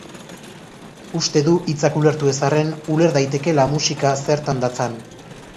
Uste du hitzak ulertu ez arren, uler daitekeela musika zertan datzan.